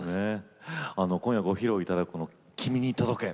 今夜ご披露いただく「君に届け」